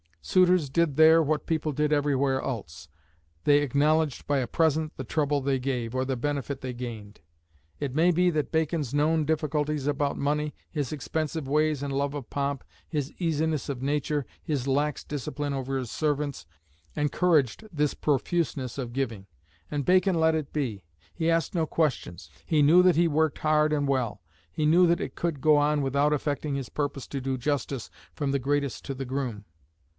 Suitors did there what people did everywhere else; they acknowledged by a present the trouble they gave, or the benefit they gained. It may be that Bacon's known difficulties about money, his expensive ways and love of pomp, his easiness of nature, his lax discipline over his servants, encouraged this profuseness of giving. And Bacon let it be. He asked no questions; he knew that he worked hard and well; he knew that it could go on without affecting his purpose to do justice "from the greatest to the groom."